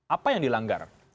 apa yang dilanggar